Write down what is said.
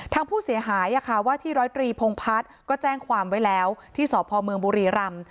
ทางผู้เสียหายว่าที่ร้อยตรีพงพัฒน์ก็แจ้งความไว้แล้วที่สพเมืองบุรีรำ